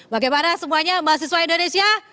bagaimana semuanya mahasiswa indonesia